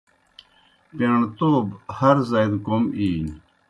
پیݨتَوب ہر زائی دہ کوْم اِینیْ۔